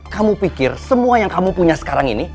kamu pikir semua yang kamu punya sekarang ini